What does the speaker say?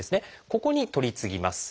ここに取り次ぎます。